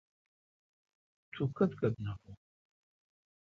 توکت کت نٹوں۔